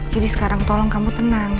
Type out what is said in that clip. jadi sekarang tolong kamu tenang